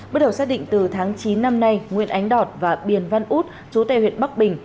bắt đầu xác định từ tháng chín năm nay nguyễn ánh đọt và biển văn út chú tê huyện bắc bình